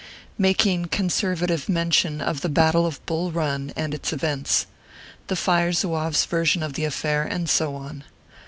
MAKING CONSERVATIVE MENTION OF THE BATTLE OF BULL RUN AND ITS EVENTS. THE FIRE ZOUAVE S VERSION OF THE AFFAIR, AND SO ON.